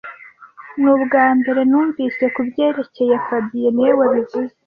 Ni ubwambere numvise kubyerekeye fabien niwe wabivuze